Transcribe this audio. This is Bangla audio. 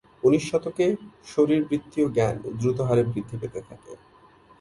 উনিশ শতকে, শারীরবৃত্তীয় জ্ঞান দ্রুত হারে বৃদ্ধি পেতে থাকে।